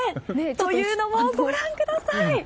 というのも、ご覧ください。